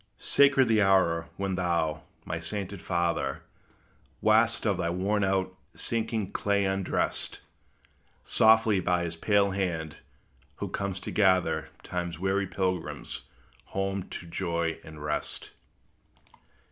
Sacred the hour when thou, my sainted father, Wast of thy worn out, sinking clay undressed, Softly, by his pale hand, who comes to gather Time's weary pilgrims home to joy and rest.